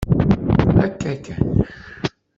Akka kan.